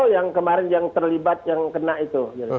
yang kemarin yang terlibat yang kena itu